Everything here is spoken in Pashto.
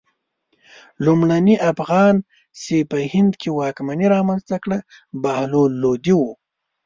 لومړني افغان چې په هند کې واکمني رامنځته کړه بهلول لودی و.